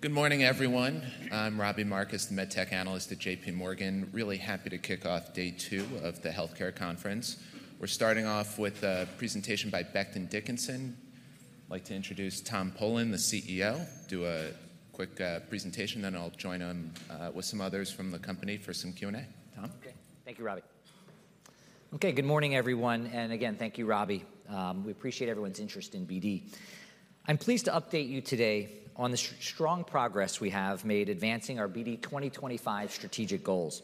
Good morning, everyone. I'm Robbie Marcus, the med tech analyst at JPMorgan. Really happy to kick off day two of the healthcare conference. We're starting off with a presentation by Becton Dickinson. I'd like to introduce Tom Polen, the CEO, do a quick presentation, then I'll join him with some others from the company for some Q&A. Tom? Okay. Thank you, Robbie. Okay, good morning, everyone, and again, thank you, Robbie. We appreciate everyone's interest in BD. I'm pleased to update you today on the strong progress we have made advancing our BD 2025 strategic goals.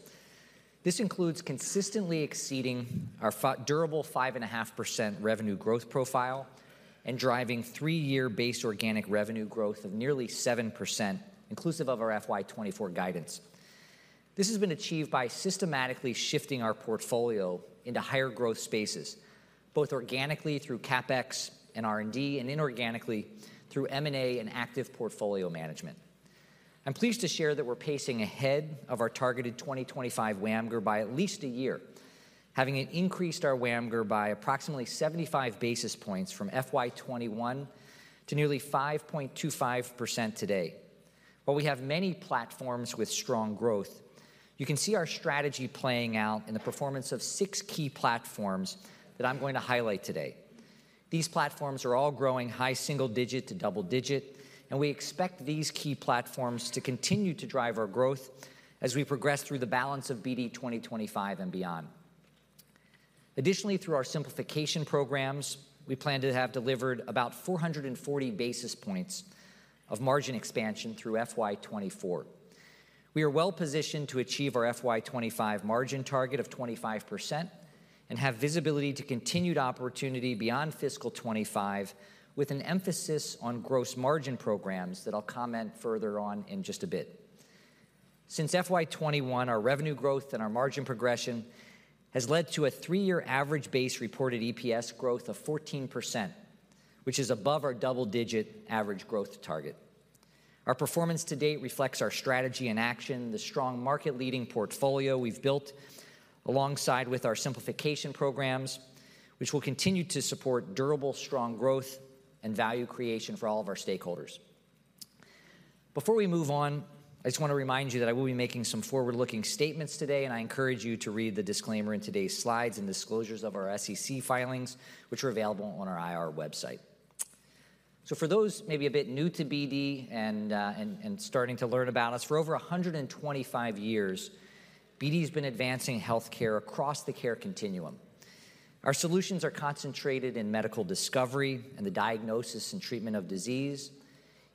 This includes consistently exceeding our durable 5.5% revenue growth profile and driving three-year base organic revenue growth of nearly 7%, inclusive of our FY 2024 guidance. This has been achieved by systematically shifting our portfolio into higher growth spaces, both organically through CapEx and R&D, and inorganically through M&A and active portfolio management. I'm pleased to share that we're pacing ahead of our targeted 2025 WAMGR by at least a year, having increased our WAMGR by approximately 75 basis points from FY 2021 to nearly 5.25% today. While we have many platforms with strong growth, you can see our strategy playing out in the performance of 6 key platforms that I'm going to highlight today. These platforms are all growing high single digit to double digit, and we expect these key platforms to continue to drive our growth as we progress through the balance of BD 2025 and beyond. Additionally, through our simplification programs, we plan to have delivered about 440 basis points of margin expansion through FY 2024. We are well positioned to achieve our FY 2025 margin target of 25% and have visibility to continued opportunity beyond fiscal 2025, with an emphasis on gross margin programs that I'll comment further on in just a bit. Since FY 2021, our revenue growth and our margin progression has led to a 3-year average base reported EPS growth of 14%, which is above our double-digit average growth target. Our performance to date reflects our strategy in action, the strong market-leading portfolio we've built, alongside with our simplification programs, which will continue to support durable, strong growth and value creation for all of our stakeholders. Before we move on, I just want to remind you that I will be making some forward-looking statements today, and I encourage you to read the disclaimer in today's slides and disclosures of our SEC filings, which are available on our IR website. So for those maybe a bit new to BD and starting to learn about us, for over 125 years, BD's been advancing healthcare across the care continuum. Our solutions are concentrated in medical discovery and the diagnosis and treatment of disease.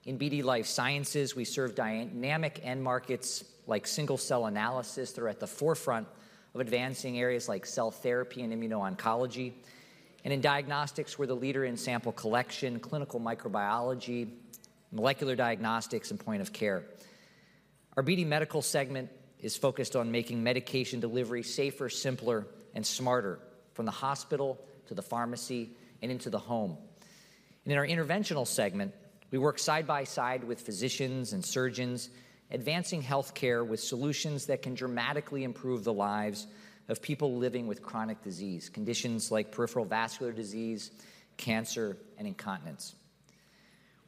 In BD Life Sciences, we serve dynamic end markets like single-cell analysis that are at the forefront of advancing areas like cell therapy and immuno-oncology. And in diagnostics, we're the leader in sample collection, clinical microbiology, molecular diagnostics, and point of care. Our BD Medical segment is focused on making medication delivery safer, simpler, and smarter, from the hospital to the pharmacy and into the home. And in our Interventional segment, we work side by side with physicians and surgeons, advancing healthcare with solutions that can dramatically improve the lives of people living with chronic disease, conditions like peripheral vascular disease, cancer, and incontinence.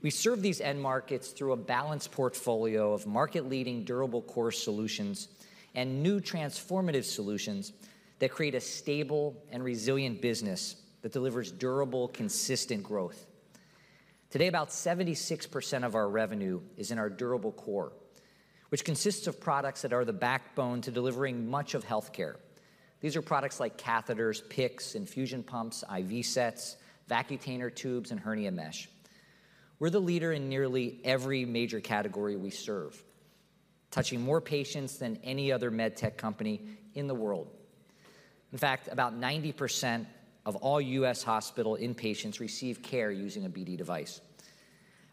We serve these end markets through a balanced portfolio of market-leading, durable core solutions and new transformative solutions that create a stable and resilient business that delivers durable, consistent growth. Today, about 76% of our revenue is in our durable core, which consists of products that are the backbone to delivering much of healthcare. These are products like catheters, PICCs, infusion pumps, IV sets, Vacutainer tubes, and hernia mesh. We're the leader in nearly every major category we serve, touching more patients than any other med tech company in the world. In fact, about 90% of all U.S. hospital inpatients receive care using a BD device.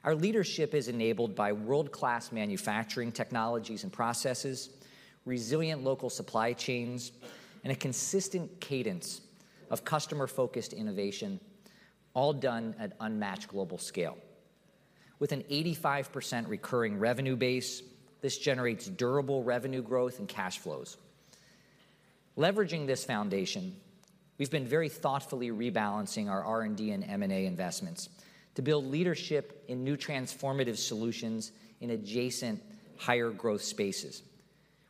Our leadership is enabled by world-class manufacturing technologies and processes, resilient local supply chains, and a consistent cadence of customer-focused innovation, all done at unmatched global scale. With an 85% recurring revenue base, this generates durable revenue growth and cash flows. Leveraging this foundation, we've been very thoughtfully rebalancing our R&D and M&A investments to build leadership in new transformative solutions in adjacent higher growth spaces.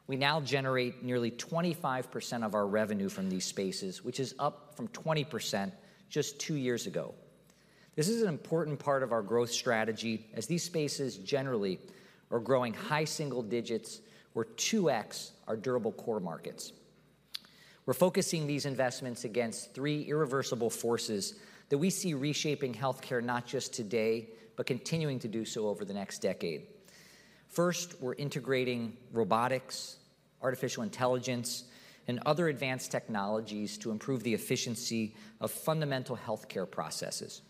We now generate nearly 25% of our revenue from these spaces, which is up from 20% just two years ago. This is an important part of our growth strategy, as these spaces generally are growing high single digits or 2x our durable core markets. We're focusing these investments against three irreversible forces that we see reshaping healthcare not just today, but continuing to do so over the next decade. First, we're integrating robotics, artificial intelligence, and other advanced technologies to improve the efficiency of fundamental healthcare processes.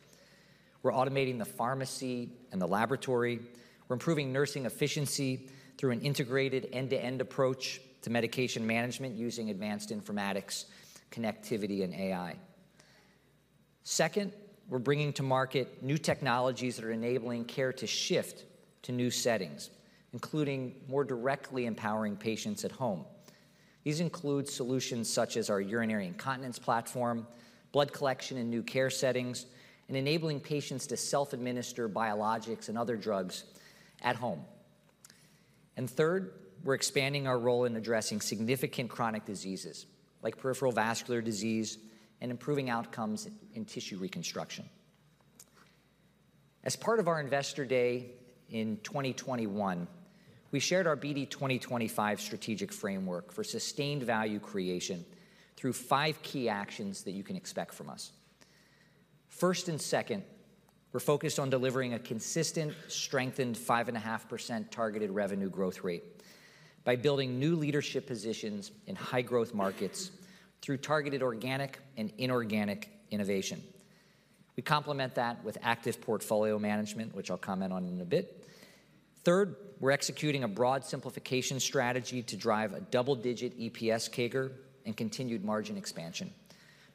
We're automating the pharmacy and the laboratory. We're improving nursing efficiency through an integrated end-to-end approach to medication management using advanced informatics, connectivity, and AI. Second, we're bringing to market new technologies that are enabling care to shift to new settings, including more directly empowering patients at home.... These include solutions such as our urinary incontinence platform, blood collection in new care settings, and enabling patients to self-administer biologics and other drugs at home. Third, we're expanding our role in addressing significant chronic diseases like peripheral vascular disease and improving outcomes in tissue reconstruction. As part of our Investor Day in 2021, we shared our BD 2025 strategic framework for sustained value creation through five key actions that you can expect from us. First and second, we're focused on delivering a consistent, strengthened 5.5% targeted revenue growth rate by building new leadership positions in high-growth markets through targeted organic and inorganic innovation. We complement that with active portfolio management, which I'll comment on in a bit. Third, we're executing a broad simplification strategy to drive a double-digit EPS CAGR and continued margin expansion.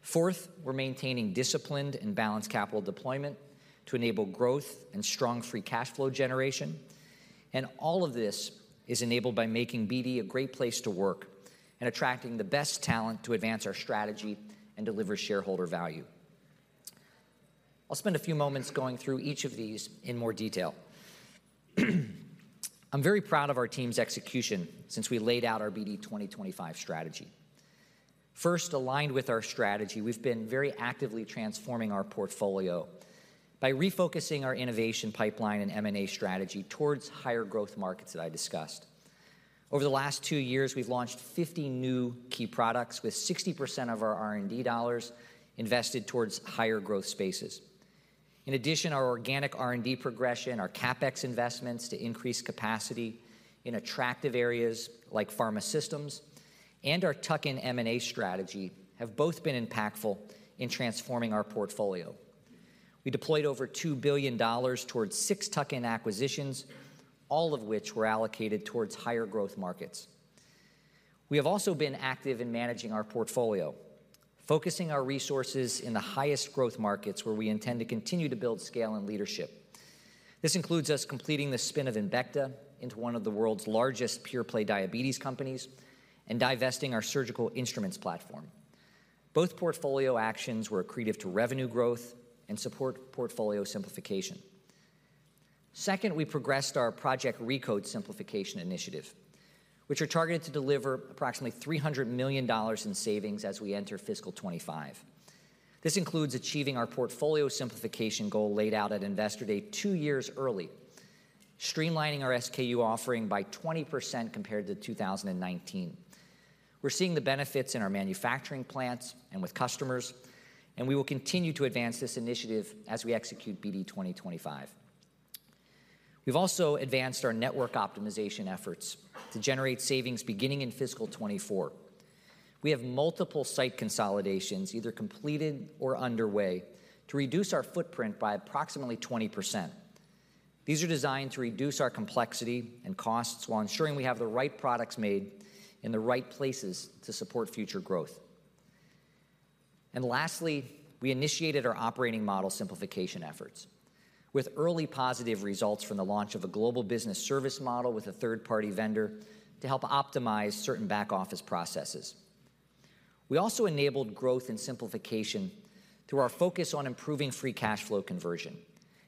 Fourth, we're maintaining disciplined and balanced capital deployment to enable growth and strong free cash flow generation. All of this is enabled by making BD a great place to work and attracting the best talent to advance our strategy and deliver shareholder value. I'll spend a few moments going through each of these in more detail. I'm very proud of our team's execution since we laid out our BD 2025 strategy. First, aligned with our strategy, we've been very actively transforming our portfolio by refocusing our innovation pipeline and M&A strategy towards higher growth markets that I discussed. Over the last 2 years, we've launched 50 new key products, with 60% of our R&D dollars invested towards higher growth spaces. In addition, our organic R&D progression, our CapEx investments to increase capacity in attractive areas like pharma systems, and our tuck-in M&A strategy have both been impactful in transforming our portfolio. We deployed over $2 billion towards six tuck-in acquisitions, all of which were allocated towards higher growth markets. We have also been active in managing our portfolio, focusing our resources in the highest growth markets where we intend to continue to build scale and leadership. This includes us completing the spin of Embecta into one of the world's largest pure-play diabetes companies and divesting our surgical instruments platform. Both portfolio actions were accretive to revenue growth and support portfolio simplification. Second, we progressed our Project Recode simplification initiative, which are targeted to deliver approximately $300 million in savings as we enter fiscal 2025. This includes achieving our portfolio simplification goal laid out at Investor Day two years early, streamlining our SKU offering by 20% compared to 2019. We're seeing the benefits in our manufacturing plants and with customers, and we will continue to advance this initiative as we execute BD 2025. We've also advanced our network optimization efforts to generate savings beginning in fiscal 2024. We have multiple site consolidations, either completed or underway, to reduce our footprint by approximately 20%. These are designed to reduce our complexity and costs while ensuring we have the right products made in the right places to support future growth. And lastly, we initiated our operating model simplification efforts with early positive results from the launch of a global business service model with a third-party vendor to help optimize certain back-office processes. We also enabled growth and simplification through our focus on improving free cash flow conversion,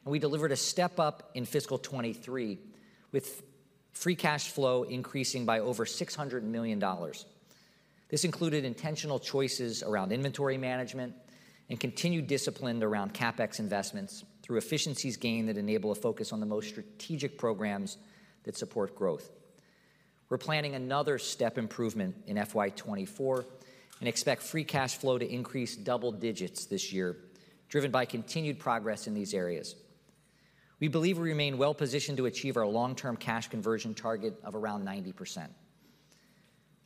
and we delivered a step-up in fiscal 2023, with free cash flow increasing by over $600 million. This included intentional choices around inventory management and continued discipline around CapEx investments through efficiencies gained that enable a focus on the most strategic programs that support growth. We're planning another step improvement in FY 2024 and expect free cash flow to increase double digits this year, driven by continued progress in these areas. We believe we remain well positioned to achieve our long-term cash conversion target of around 90%.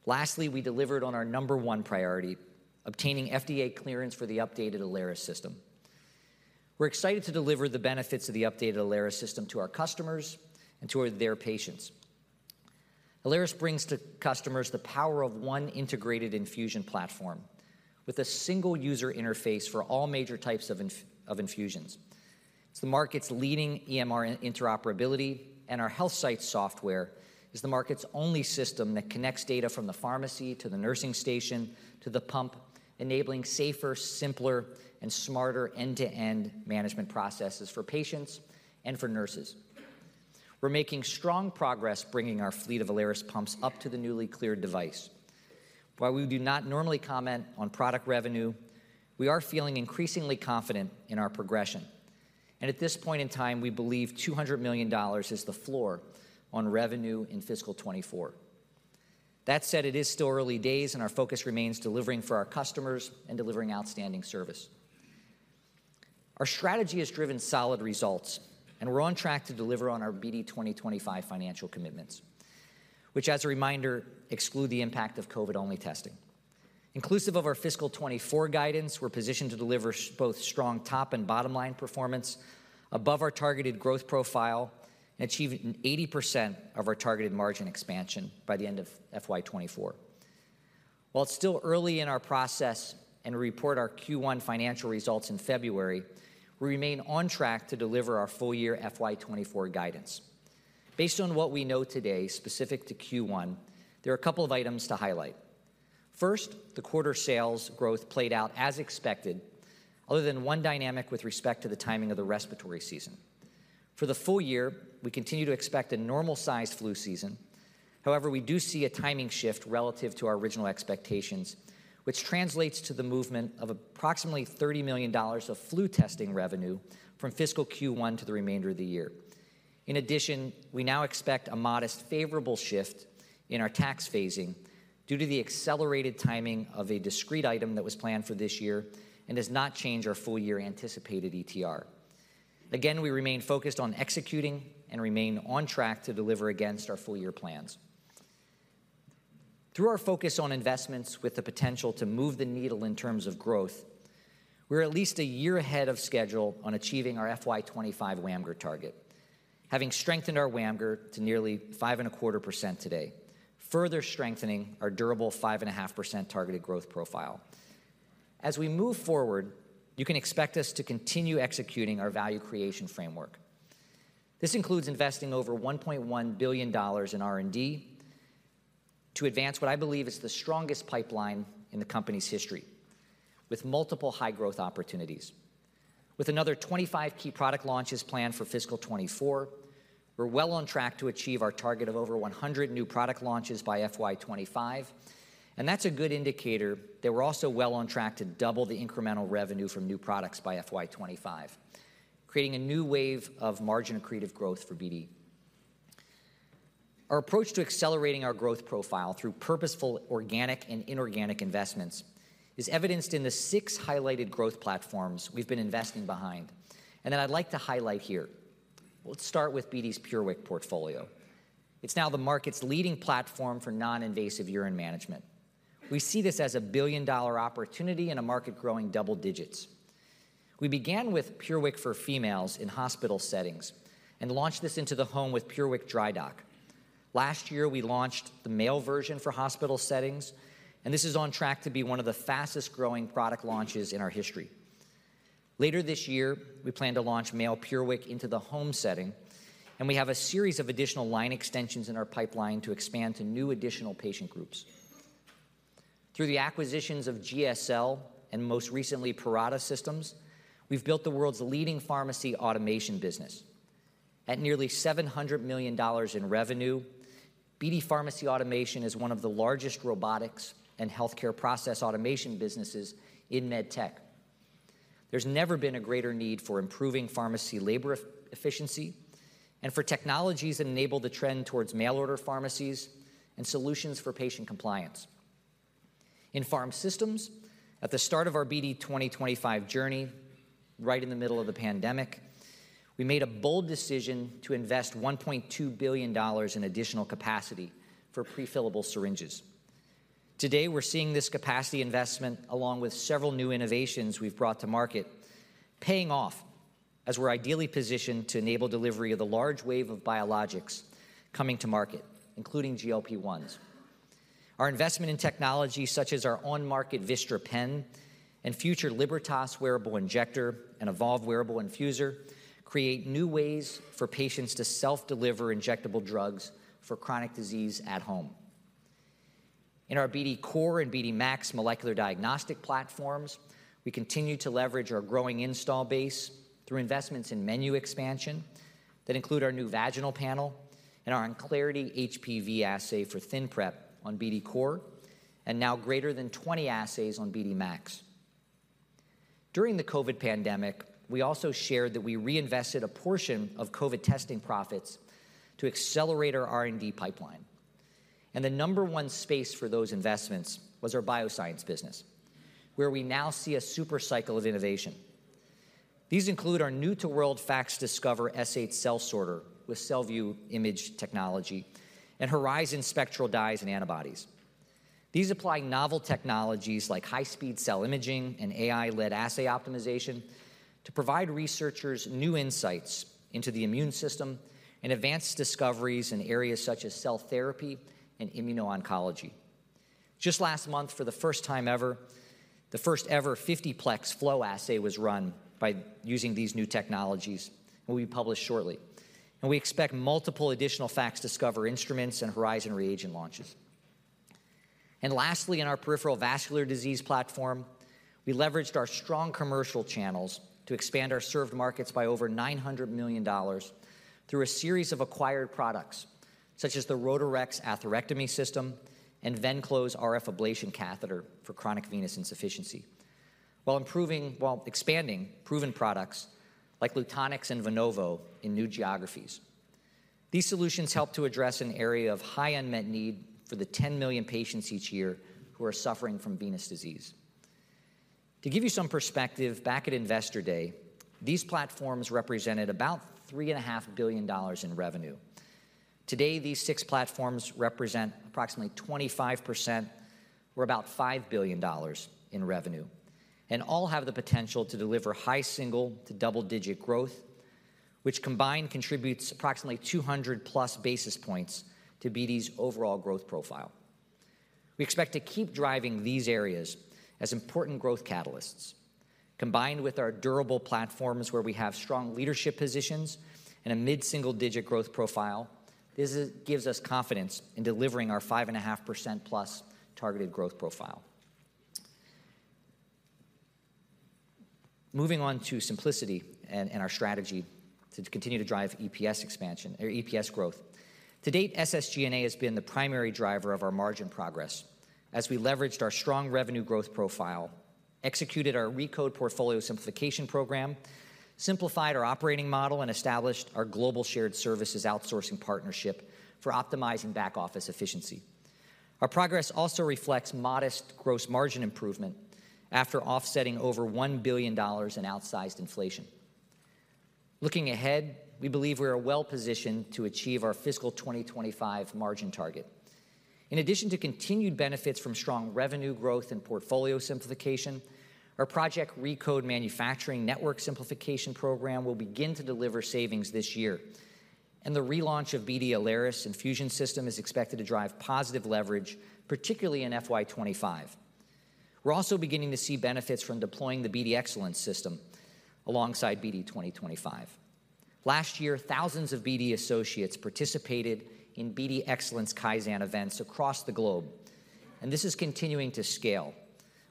Lastly, we delivered on our number one priority, obtaining FDA clearance for the updated Alaris system. We're excited to deliver the benefits of the updated Alaris system to our customers and to their patients. Alaris brings to customers the power of one integrated infusion platform with a single user interface for all major types of infusions. It's the market's leading EMR and interoperability, and our HealthSight software is the market's only system that connects data from the pharmacy to the nursing station to the pump, enabling safer, simpler, and smarter end-to-end management processes for patients and for nurses. We're making strong progress bringing our fleet of Alaris pumps up to the newly cleared device. While we do not normally comment on product revenue, we are feeling increasingly confident in our progression. And at this point in time, we believe $200 million is the floor on revenue in fiscal 2024. That said, it is still early days, and our focus remains delivering for our customers and delivering outstanding service. Our strategy has driven solid results, and we're on track to deliver on our BD 2025 financial commitments, which, as a reminder, exclude the impact of COVID-only testing. Inclusive of our fiscal 2024 guidance, we're positioned to deliver both strong top and bottom line performance above our targeted growth profile and achieving 80% of our targeted margin expansion by the end of FY 2024. While it's still early in our process and report our Q1 financial results in February, we remain on track to deliver our full-year FY 2024 guidance. Based on what we know today, specific to Q1, there are a couple of items to highlight. First, the quarter sales growth played out as expected, other than one dynamic with respect to the timing of the respiratory season. For the full year, we continue to expect a normal-sized flu season. However, we do see a timing shift relative to our original expectations, which translates to the movement of approximately $30 million of flu testing revenue from fiscal Q1 to the remainder of the year. In addition, we now expect a modest, favorable shift in our tax phasing due to the accelerated timing of a discrete item that was planned for this year and does not change our full year anticipated ETR. Again, we remain focused on executing and remain on track to deliver against our full year plans. Through our focus on investments with the potential to move the needle in terms of growth, we're at least a year ahead of schedule on achieving our FY 2025 WAMGR target, having strengthened our WAMGR to nearly 5.25% today, further strengthening our durable 5.5% targeted growth profile. As we move forward, you can expect us to continue executing our value creation framework. This includes investing over $1.1 billion in R&D to advance what I believe is the strongest pipeline in the company's history, with multiple high growth opportunities. With another 25 key product launches planned for fiscal 2024, we're well on track to achieve our target of over 100 new product launches by FY 2025, and that's a good indicator that we're also well on track to double the incremental revenue from new products by FY 2025, creating a new wave of margin accretive growth for BD. Our approach to accelerating our growth profile through purposeful, organic and inorganic investments is evidenced in the six highlighted growth platforms we've been investing behind, and that I'd like to highlight here. Let's start with BD's PureWick portfolio. It's now the market's leading platform for non-invasive urine management. We see this as a billion-dollar opportunity in a market growing double digits. We began with PureWick for females in hospital settings and launched this into the home with PureWick DryDoc. Last year, we launched the male version for hospital settings, and this is on track to be one of the fastest-growing product launches in our history. Later this year, we plan to launch male PureWick into the home setting, and we have a series of additional line extensions in our pipeline to expand to new additional patient groups. Through the acquisitions of GSL and most recently, Parata Systems, we've built the world's leading pharmacy automation business. At nearly $700 million in revenue, BD Pharmacy Automation is one of the largest robotics and healthcare process automation businesses in medtech. There's never been a greater need for improving pharmacy labor efficiency and for technologies that enable the trend towards mail-order pharmacies and solutions for patient compliance. In Pharm Systems, at the start of our BD 2025 journey, right in the middle of the pandemic, we made a bold decision to invest $1.2 billion in additional capacity for prefillable syringes. Today, we're seeing this capacity investment, along with several new innovations we've brought to market, paying off as we're ideally positioned to enable delivery of the large wave of biologics coming to market, including GLP-1s. Our investment in technology, such as our on-market Vystra pen and future Libertas wearable injector and Evolve wearable infuser, create new ways for patients to self-deliver injectable drugs for chronic disease at home. In our BD COR and BD MAX molecular diagnostic platforms, we continue to leverage our growing install base through investments in menu expansion that include our new vaginal panel and our Onclarity HPV assay for ThinPrep on BD COR, and now greater than 20 assays on BD MAX. During the COVID pandemic, we also shared that we reinvested a portion of COVID testing profits to accelerate our R&D pipeline, and the number one space for those investments was our bioscience business, where we now see a super cycle of innovation. These include our new-to-world BD FACSDiscover S8 cell sorter with CellView image technology and Horizon spectral dyes and antibodies. These apply novel technologies like high-speed cell imaging and AI-led assay optimization to provide researchers new insights into the immune system and advance discoveries in areas such as cell therapy and immuno-oncology. Just last month, for the first time ever, the first-ever 50-plex flow assay was run by using these new technologies, will be published shortly. We expect multiple additional FACSDiscover instruments and Horizon reagent launches. Lastly, in our peripheral vascular disease platform, we leveraged our strong commercial channels to expand our served markets by over $900 million through a series of acquired products, such as the Rotarex atherectomy system and Venclose RF ablation catheter for chronic venous insufficiency, while expanding proven products like Lutonix and Venovo in new geographies. These solutions help to address an area of high unmet need for the 10 million patients each year who are suffering from venous disease. To give you some perspective, back at Investor Day, these platforms represented about $3.5 billion in revenue. Today, these six platforms represent approximately 25% or about $5 billion in revenue, and all have the potential to deliver high single- to double-digit growth, which combined, contributes approximately 200+ basis points to BD's overall growth profile. We expect to keep driving these areas as important growth catalysts. Combined with our durable platforms where we have strong leadership positions and a mid-single-digit growth profile, this is, gives us confidence in delivering our 5.5%+ targeted growth profile. Moving on to simplicity and our strategy to continue to drive EPS expansion or EPS growth. To date, SSG&A has been the primary driver of our margin progress as we leveraged our strong revenue growth profile, executed our Recode portfolio simplification program, simplified our operating model, and established our global shared services outsourcing partnership for optimizing back-office efficiency. Our progress also reflects modest gross margin improvement after offsetting over $1 billion in outsized inflation. Looking ahead, we believe we are well positioned to achieve our fiscal 2025 margin target. In addition to continued benefits from strong revenue growth and portfolio simplification, our Project Recode manufacturing network simplification program will begin to deliver savings this year, and the relaunch of BD Alaris Infusion System is expected to drive positive leverage, particularly in FY 2025. We're also beginning to see benefits from deploying the BD Excellence system alongside BD 2025. Last year, thousands of BD associates participated in BD Excellence Kaizen events across the globe, and this is continuing to scale,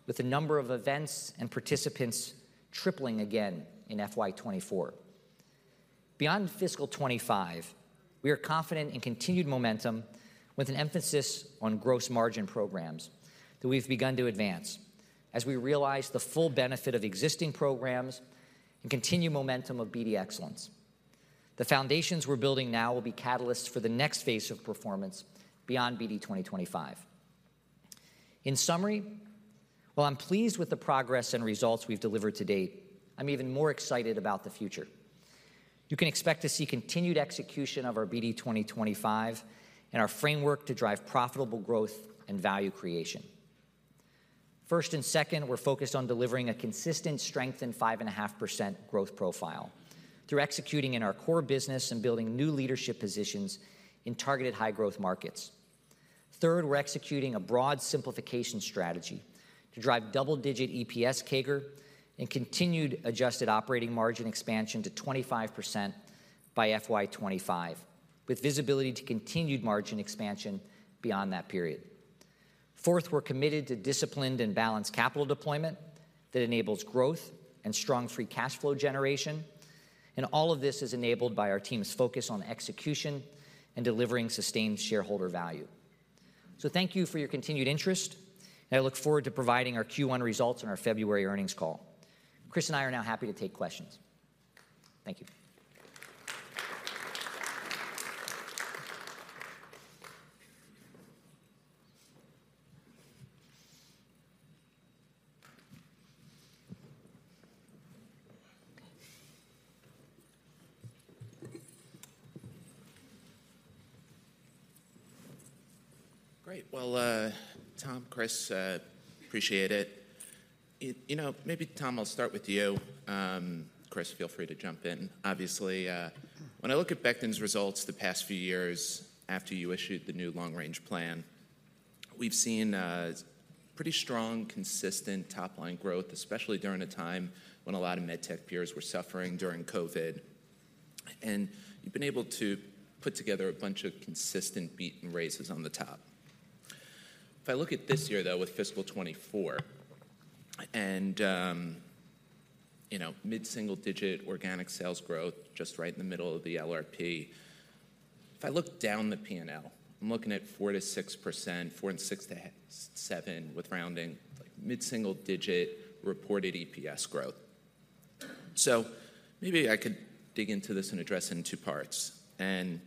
with the number of events and participants tripling again in FY 2024. Beyond fiscal 2025, we are confident in continued momentum with an emphasis on gross margin programs that we've begun to advance as we realize the full benefit of existing programs and continue momentum of BD Excellence. The foundations we're building now will be catalysts for the next phase of performance beyond BD 2025. In summary, while I'm pleased with the progress and results we've delivered to date, I'm even more excited about the future. You can expect to see continued execution of our BD 2025 and our framework to drive profitable growth and value creation. First and second, we're focused on delivering a consistent strengthened 5.5% growth profile through executing in our core business and building new leadership positions in targeted high-growth markets. Third, we're executing a broad simplification strategy to drive double-digit EPS CAGR and continued adjusted operating margin expansion to 25% by FY 2025, with visibility to continued margin expansion beyond that period. Fourth, we're committed to disciplined and balanced capital deployment that enables growth and strong free cash flow generation, and all of this is enabled by our team's focus on execution and delivering sustained shareholder value. So thank you for your continued interest, and I look forward to providing our Q1 results on our February earnings call. Chris and I are now happy to take questions. Thank you. Great! Well, Tom, Chris, appreciate it. You know, maybe, Tom, I'll start with you. Chris, feel free to jump in. Obviously, when I look at Becton's results the past few years after you issued the new long-range plan, we've seen pretty strong, consistent top-line growth, especially during a time when a lot of med tech peers were suffering during COVID. And you've been able to put together a bunch of consistent beat and raises on the top. If I look at this year, though, with fiscal 2024, and, you know, mid-single-digit organic sales growth, just right in the middle of the LRP. If I look down the P&L, I'm looking at 4%-6%, 4% and 6%-7%, with rounding, mid-single-digit reported EPS growth. So maybe I could dig into this and address it in two parts, and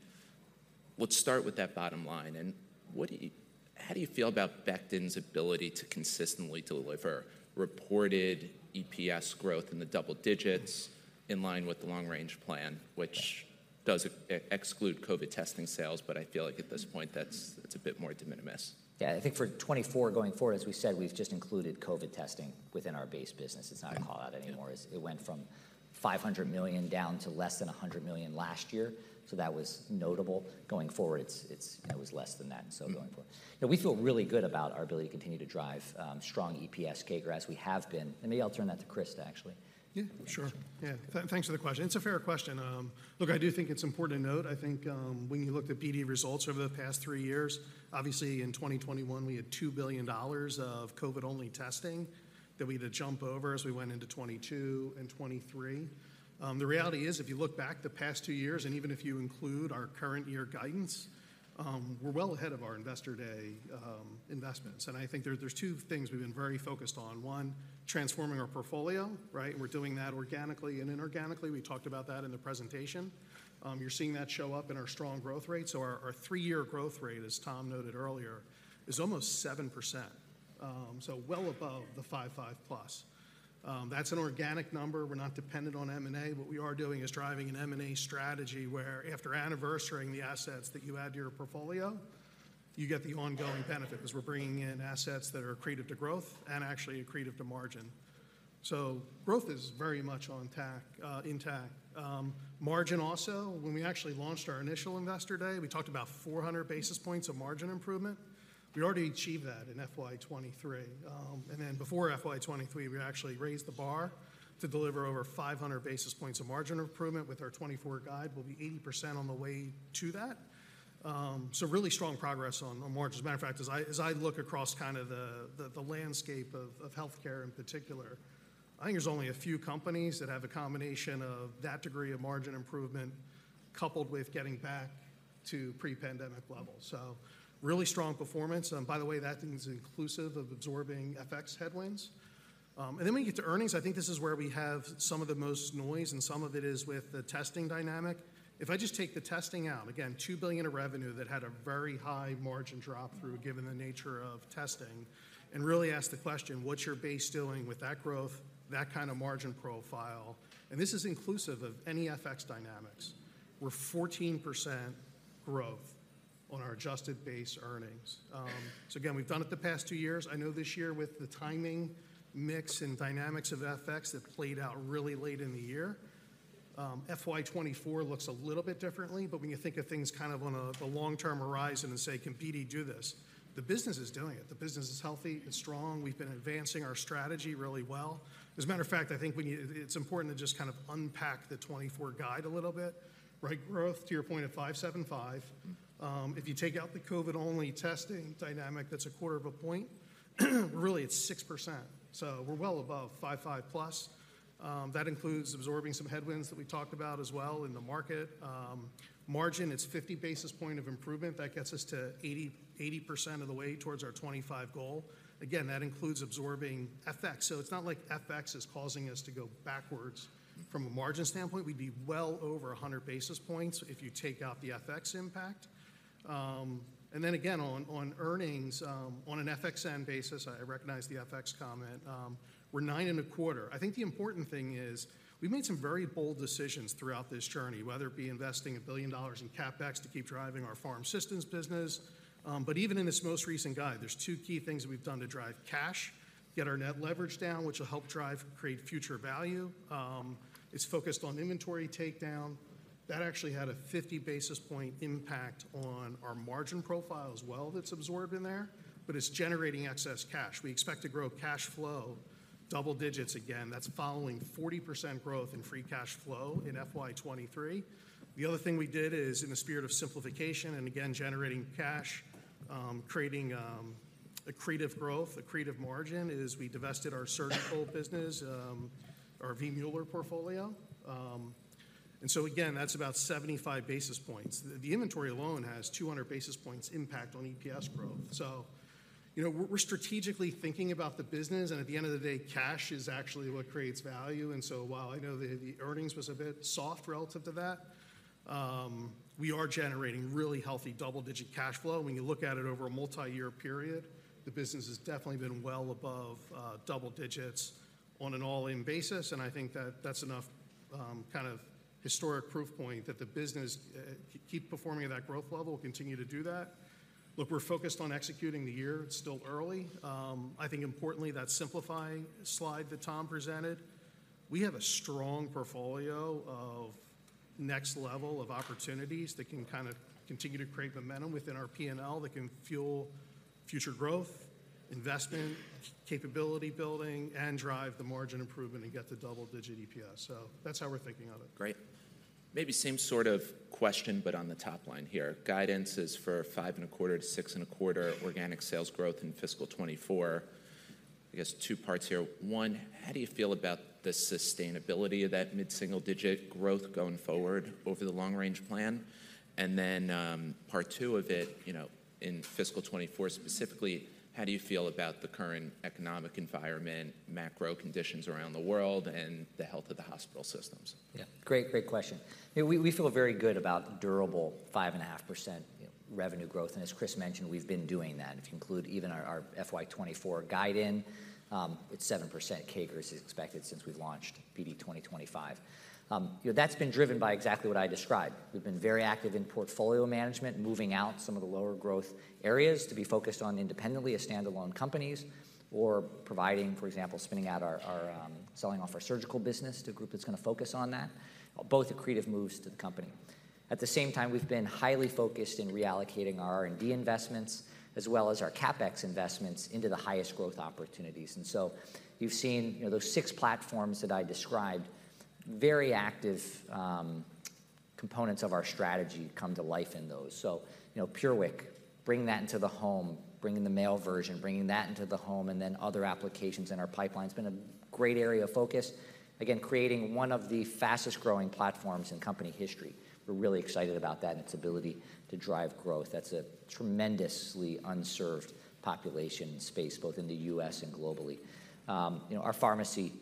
let's start with that bottom line. What do you—how do you feel about Becton's ability to consistently deliver reported EPS growth in the double digits in line with the long-range plan, which does exclude COVID testing sales, but I feel like at this point, that's, it's a bit more de minimis? Yeah, I think for 2024 going forward, as we said, we've just included COVID testing within our base business. It's not a call-out anymore. Yeah. It went from $500 million down to less than $100 million last year, so that was notable. Going forward, it was less than that, so going forward. Mm. Yeah, we feel really good about our ability to continue to drive strong EPS CAGR as we have been, and maybe I'll turn that to Chris, actually. Yeah, sure. Yeah, thanks for the question. It's a fair question. Look, I do think it's important to note, I think, when you look at BD results over the past three years, obviously, in 2021, we had $2 billion of COVID-only testing that we had to jump over as we went into 2022 and 2023. The reality is, if you look back the past two years, and even if you include our current year guidance, we're well ahead of our Investor Day investments. And I think there, there's two things we've been very focused on. One, transforming our portfolio, right? We're doing that organically and inorganically. We talked about that in the presentation. You're seeing that show up in our strong growth rates. So our three-year growth rate, as Tom noted earlier, is almost 7%. So well above the 5.5+. That's an organic number. We're not dependent on M&A. What we are doing is driving an M&A strategy, where after anniversarying the assets that you add to your portfolio, you get the ongoing benefit because we're bringing in assets that are accretive to growth and actually accretive to margin. So growth is very much on track, intact. Margin also, when we actually launched our initial investor day, we talked about 400 basis points of margin improvement. We already achieved that in FY 2023. And then before FY 2023, we actually raised the bar to deliver over 500 basis points of margin improvement. With our 2024 guide, we'll be 80% on the way to that. So really strong progress on margins. Matter of fact, as I look across kind of the landscape of healthcare in particular, I think there's only a few companies that have a combination of that degree of margin improvement coupled with getting back to pre-pandemic levels. So really strong performance, and by the way, that is inclusive of absorbing FX headwinds. And then when you get to earnings, I think this is where we have some of the most noise, and some of it is with the testing dynamic. If I just take the testing out, again, $2 billion of revenue that had a very high margin drop through, given the nature of testing, and really ask the question: What's your base doing with that growth, that kind of margin profile? And this is inclusive of any FX dynamics. We're 14% growth on our adjusted base earnings. So again, we've done it the past 2 years. I know this year with the timing, mix, and dynamics of FX that played out really late in the year, FY 2024 looks a little bit differently. But when you think of things kind of on a, the long-term horizon and say, "Can BD do this?" The business is doing it. The business is healthy and strong. We've been advancing our strategy really well. As a matter of fact, I think we need. It's important to just kind of unpack the 2024 guide a little bit. Right, growth, to your point, of 5.75. If you take out the COVID-only testing dynamic, that's a quarter of a point. Really, it's 6%, so we're well above 5.5 plus. That includes absorbing some headwinds that we talked about as well in the market. Margin, it's 50 basis points of improvement. That gets us to 80%, 80% of the way towards our 2025-goal. Again, that includes absorbing FX. So it's not like FX is causing us to go backwards from a margin standpoint. We'd be well over 100 basis points if you take out the FX impact. And then again, on, on earnings, on an FXN basis, I recognize the FX comment, we're 9.25. I think the important thing is we've made some very bold decisions throughout this journey, whether it be investing $1 billion in CapEx to keep driving our pharm systems business. But even in this most recent guide, there's 2 key things that we've done to drive cash, get our net leverage down, which will help drive, create future value. It's focused on inventory takedown. That actually had a 50 basis point impact on our margin profile as well, that's absorbed in there, but it's generating excess cash. We expect to grow cash flow double digits again. That's following 40% growth in free cash flow in FY 2023. The other thing we did is, in the spirit of simplification and again, generating cash, creating accretive growth, accretive margin, is we divested our surgical business, our V. Mueller portfolio. And so again, that's about 75 basis points. The inventory alone has 200 basis points impact on EPS growth. So you know, we're strategically thinking about the business, and at the end of the day, cash is actually what creates value. And so while I know the earnings was a bit soft relative to that, we are generating really healthy double-digit cash flow. When you look at it over a multi-year period, the business has definitely been well above double digits on an all-in basis, and I think that that's enough kind of historic proof point that the business keep performing at that growth level, continue to do that. Look, we're focused on executing the year. It's still early. I think importantly, that simplify slide that Tom presented, we have a strong portfolio of next level of opportunities that can kind of continue to create momentum within our PNL, that can fuel future growth, investment, capability building, and drive the margin improvement and get the double-digit EPS. So that's how we're thinking of it. Great. Maybe same sort of question, but on the top line here. Guidance is for 5.25%-6.25% organic sales growth in fiscal 2024. I guess two parts here. One, how do you feel about the sustainability of that mid-single-digit growth going forward over the long range plan? And then, part two of it, you know, in fiscal 2024 specifically, how do you feel about the current economic environment, macro conditions around the world, and the health of the hospital systems? Yeah. Great, great question. We feel very good about durable 5.5% revenue growth, and as Chris mentioned, we've been doing that. If you include even our FY 2024 guide in, it's 7% CAGR is expected since we've launched BD 2025. You know, that's been driven by exactly what I described. We've been very active in portfolio management, moving out some of the lower growth areas to be focused on independently as standalone companies, or providing, for example, spinning out our selling off our surgical business to a group that's gonna focus on that. Both accretive moves to the company. At the same time, we've been highly focused in reallocating our R&D investments, as well as our CapEx investments into the highest growth opportunities. And so you've seen, you know, those six platforms that I described, very active, components of our strategy come to life in those. So, you know, PureWick, bringing that into the home, bringing the male version, bringing that into the home, and then other applications in our pipeline. It's been a great area of focus, again, creating one of the fastest growing platforms in company history. We're really excited about that and its ability to drive growth. That's a tremendously unserved population space, both in the U.S. and globally. You know, our pharmacy,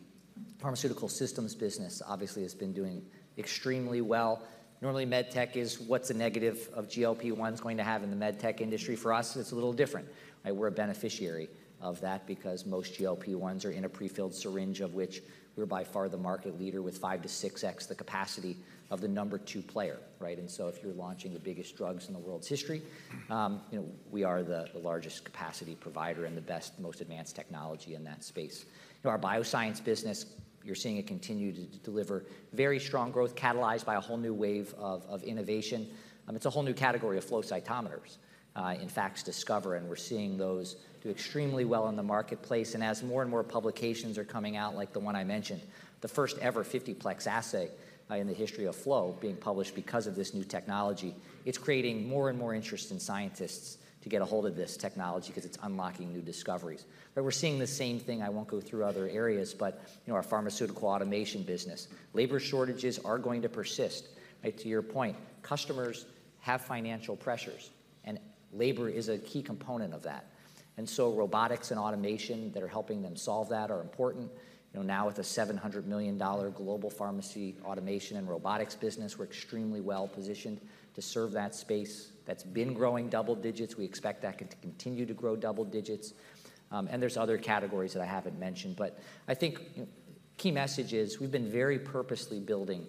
pharmaceutical systems business obviously has been doing extremely well. Normally, med tech is what's the negative of GLP-1s going to have in the med tech industry. For us, it's a little different. We're a beneficiary of that because most GLP-1s are in a prefilled syringe, of which-... We're by far the market leader with 5-6x the capacity of the number two player, right? And so if you're launching the biggest drugs in the world's history, you know, we are the largest capacity provider and the best, most advanced technology in that space. You know, our bioscience business, you're seeing it continue to deliver very strong growth, catalyzed by a whole new wave of innovation. It's a whole new category of flow cytometers in FACSDiscover, and we're seeing those do extremely well in the marketplace. And as more and more publications are coming out, like the one I mentioned, the first ever 50-plex assay in the history of flow being published because of this new technology, it's creating more and more interest in scientists to get a hold of this technology because it's unlocking new discoveries. But we're seeing the same thing, I won't go through other areas, but, you know, our pharmaceutical automation business, labor shortages are going to persist, right? To your point, customers have financial pressures, and labor is a key component of that. And so robotics and automation that are helping them solve that are important. You know, now with a $700 million global pharmacy automation and robotics business, we're extremely well positioned to serve that space. That's been growing double digits. We expect that to continue to grow double digits. And there's other categories that I haven't mentioned, but I think key message is, we've been very purposely building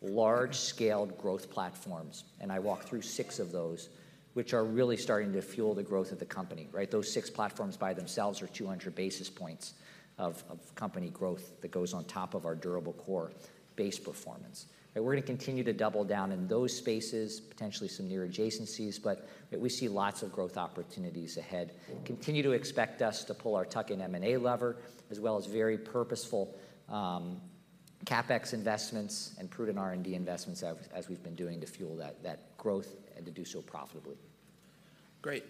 large-scale growth platforms, and I walked through 6 of those, which are really starting to fuel the growth of the company, right? Those six platforms by themselves are 200 basis points of company growth that goes on top of our durable core base performance. And we're gonna continue to double down in those spaces, potentially some near adjacencies, but we see lots of growth opportunities ahead. Continue to expect us to pull our tuck-in M&A lever, as well as very purposeful CapEx investments and prudent R&D investments as we've been doing to fuel that growth and to do so profitably. Great.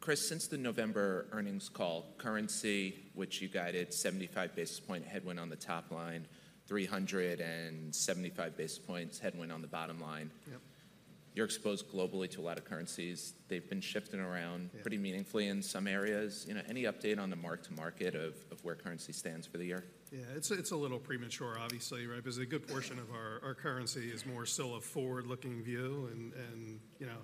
Chris, since the November earnings call, currency, which you guided 75 basis point headwind on the top line, 375 basis points headwind on the bottom line- Yep. You're exposed globally to a lot of currencies. They've been shifting around- Yeah... pretty meaningfully in some areas. You know, any update on the mark to market of, of where currency stands for the year? Yeah, it's, it's a little premature, obviously, right? Because a good portion of our, our currency is more still a forward-looking view and, and, you know,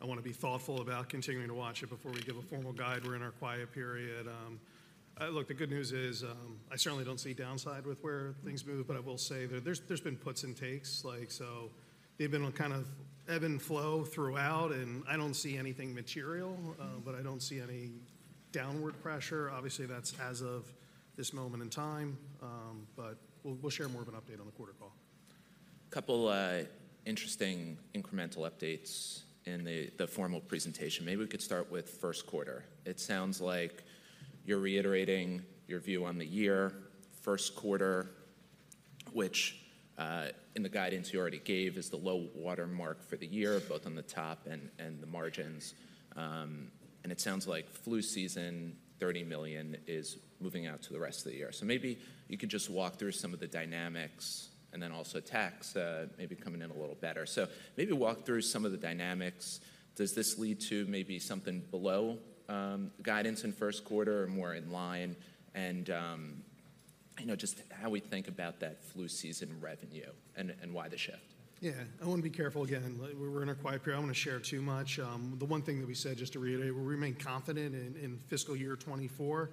I wanna be thoughtful about continuing to watch it before we give a formal guide. We're in our quiet period. Look, the good news is, I certainly don't see downside with where things move, but I will say that there's, there's been puts and takes, like, so they've been on kind of ebb and flow throughout, and I don't see anything material, but I don't see any downward pressure. Obviously, that's as of this moment in time, but we'll, we'll share more of an update on the quarter call. A couple interesting incremental updates in the formal presentation. Maybe we could start with first quarter. It sounds like you're reiterating your view on the year, first quarter, which in the guidance you already gave, is the low water mark for the year, both on the top and the margins. And it sounds like flu season, $30 million, is moving out to the rest of the year. So maybe you could just walk through some of the dynamics and then also tax, maybe coming in a little better. So maybe walk through some of the dynamics. Does this lead to maybe something below guidance in first quarter or more in line? And I know just how we think about that flu season revenue and why the shift? Yeah. I wanna be careful again. We're in a quiet period. I don't wanna share too much. The one thing that we said, just to reiterate, we remain confident in fiscal year 2024.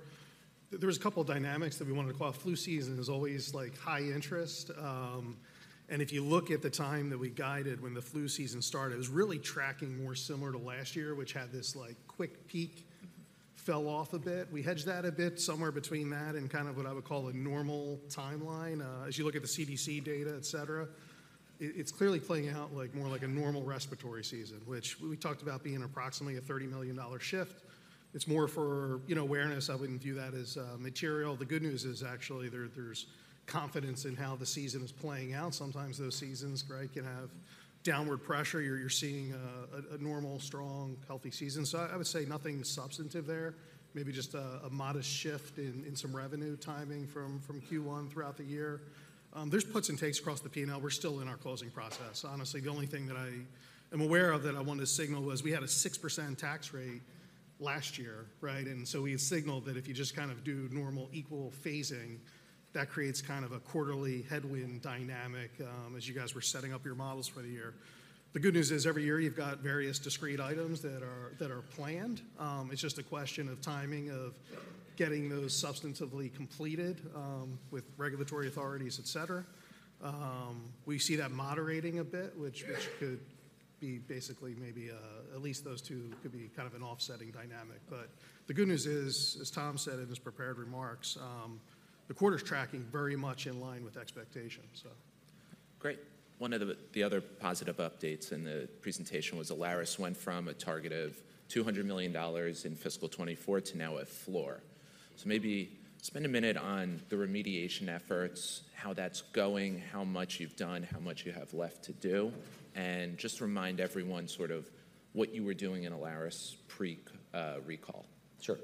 There was a couple of dynamics that we wanted to call. Flu season is always, like, high interest, and if you look at the time that we guided when the flu season started, it was really tracking more similar to last year, which had this, like, quick peak, fell off a bit. We hedged that a bit, somewhere between that and kind of what I would call a normal timeline. As you look at the CDC data, et cetera, it's clearly playing out like more like a normal respiratory season, which we talked about being approximately a $30 million shift. It's more for, you know, awareness. I wouldn't view that as material. The good news is actually there, there's confidence in how the season is playing out. Sometimes those seasons, right, can have downward pressure. You're seeing a normal, strong, healthy season. So I would say nothing substantive there, maybe just a modest shift in some revenue timing from Q1 throughout the year. There's puts and takes across the P&L. We're still in our closing process. Honestly, the only thing that I am aware of that I wanted to signal was we had a 6% tax rate last year, right? And so we signaled that if you just kind of do normal equal phasing, that creates kind of a quarterly headwind dynamic, as you guys were setting up your models for the year. The good news is, every year you've got various discrete items that are planned. It's just a question of timing, of getting those substantively completed, with regulatory authorities, et cetera. We see that moderating a bit, which could be basically maybe, at least those two could be kind of an offsetting dynamic. But the good news is, as Tom said in his prepared remarks, the quarter's tracking very much in line with expectations, so... Great. One of the other positive updates in the presentation was Alaris went from a target of $200 million in fiscal 2024 to now a floor. So maybe spend a minute on the remediation efforts, how that's going, how much you've done, how much you have left to do, and just remind everyone sort of what you were doing in Alaris pre recall. Sure. ...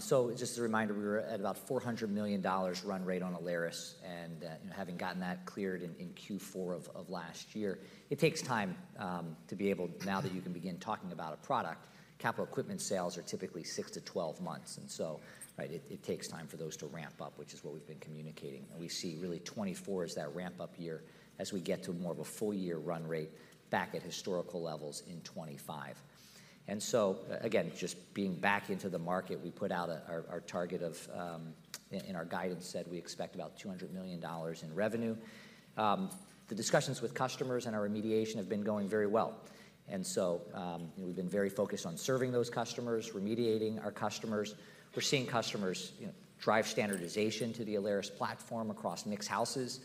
So just as a reminder, we were at about $400 million run rate on Alaris, and, you know, having gotten that cleared in Q4 of last year. It takes time to be able now that you can begin talking about a product, capital equipment sales are typically 6-12 months, and so, right, it takes time for those to ramp up, which is what we've been communicating. And we see really 2024 as that ramp-up year, as we get to more of a full-year run rate back at historical levels in 2025. And so, again, just being back into the market, we put out our target of in our guidance, said we expect about $200 million in revenue. The discussions with customers and our remediation have been going very well. We've been very focused on serving those customers, remediating our customers. We're seeing customers, you know, drive standardization to the Alaris platform across mixed houses.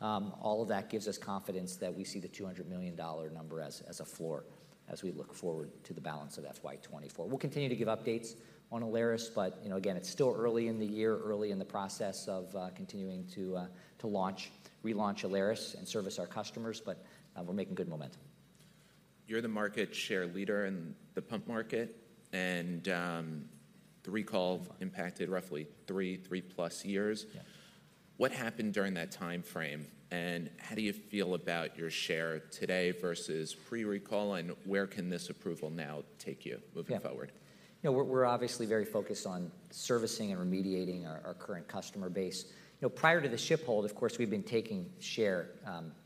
All of that gives us confidence that we see the $200 million number as a floor as we look forward to the balance of FY 2024. We'll continue to give updates on Alaris, but you know, again, it's still early in the year, early in the process of continuing to launch, relaunch Alaris and service our customers, but we're making good momentum. You're the market share leader in the pump market, and the recall impacted roughly 3, 3-plus years. Yeah. What happened during that timeframe, and how do you feel about your share today versus pre-recall, and where can this approval now take you moving forward? Yeah. You know, we're obviously very focused on servicing and remediating our current customer base. You know, prior to the ship hold, of course, we've been taking share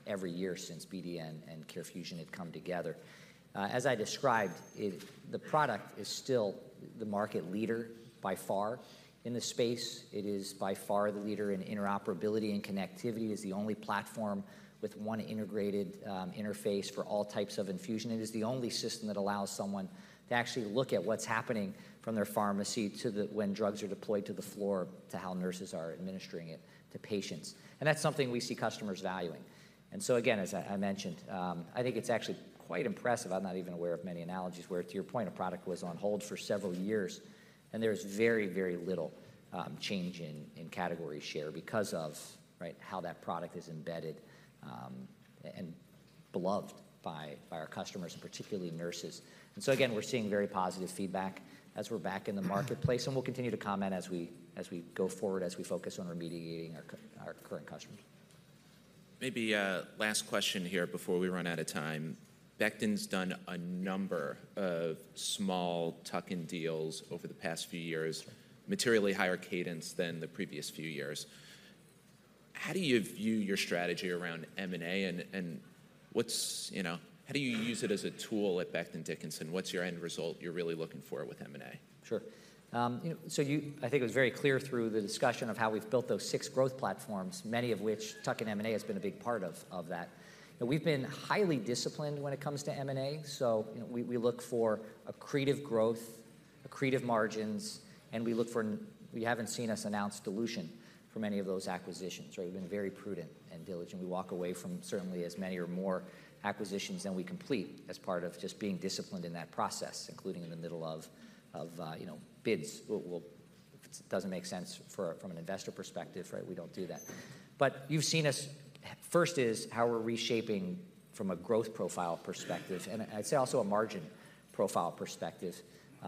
every year since BD and CareFusion had come together. As I described, it, the product is still the market leader by far in the space. It is by far the leader in interoperability and connectivity. It's the only platform with one integrated interface for all types of infusion. It is the only system that allows someone to actually look at what's happening from their pharmacy to the when drugs are deployed to the floor, to how nurses are administering it to patients. And that's something we see customers valuing. And so again, as I mentioned, I think it's actually quite impressive. I'm not even aware of many analogies where, to your point, a product was on hold for several years, and there's very, very little change in category share because of, right, how that product is embedded and beloved by our customers, and particularly nurses. And so again, we're seeing very positive feedback as we're back in the marketplace, and we'll continue to comment as we go forward, as we focus on remediating our current customers. Maybe a last question here before we run out of time. Becton's done a number of small tuck-in deals over the past few years, materially higher cadence than the previous few years. How do you view your strategy around M&A, and, and what's... You know, how do you use it as a tool at Becton Dickinson? What's your end result you're really looking for with M&A? Sure. You know, so, I think it was very clear through the discussion of how we've built those six growth platforms, many of which tuck-in M&A has been a big part of that. And we've been highly disciplined when it comes to M&A, so you know, we look for accretive growth, accretive margins, and you haven't seen us announce dilution for many of those acquisitions, right? We've been very prudent and diligent. We walk away from certainly as many or more acquisitions than we complete, as part of just being disciplined in that process, including in the middle of, you know, bids. Well, if it doesn't make sense from an investor perspective, right, we don't do that. But you've seen us, first is, how we're reshaping from a growth profile perspective, and I'd say also a margin profile perspective.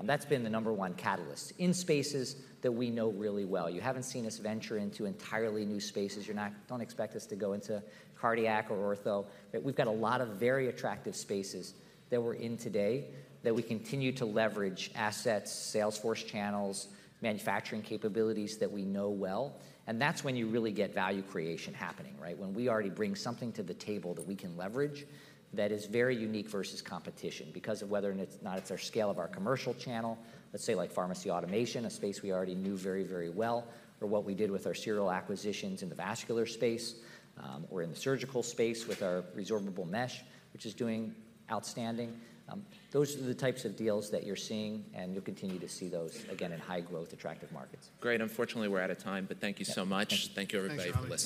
That's been the number one catalyst in spaces that we know really well. You haven't seen us venture into entirely new spaces. Don't expect us to go into cardiac or ortho. We've got a lot of very attractive spaces that we're in today, that we continue to leverage assets, salesforce channels, manufacturing capabilities that we know well, and that's when you really get value creation happening, right? When we already bring something to the table that we can leverage, that is very unique versus competition. Because of whether or it's not, it's our scale of our commercial channel, let's say like pharmacy automation, a space we already knew very, very well, or what we did with our serial acquisitions in the vascular space, or in the surgical space with our resorbable mesh, which is doing outstanding. Those are the types of deals that you're seeing, and you'll continue to see those again in high-growth, attractive markets. Great. Unfortunately, we're out of time, but thank you so much. Thank you. Thank you, everybody, for listening.